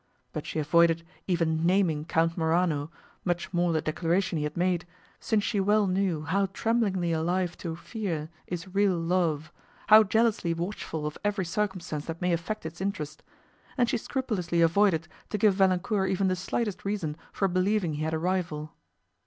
But she avoided even naming Count Morano, much more the declaration he had made, since she well knew how tremblingly alive to fear is real love, how jealously watchful of every circumstance that may affect its interest; and she scrupulously avoided to give Valancourt even the slightest reason for believing he had a rival.